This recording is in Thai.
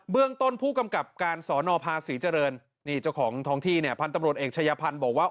เรื่องต้นผู้กำกับการสอนอภาษีเจริญนี่เจ้าของท้องที่เนี่ยพันธุ์ตำรวจเอกชายพันธ์บอกว่า